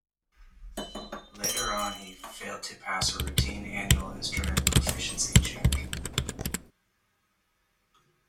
Later on, he also failed to pass a routine annual instrument proficiency check.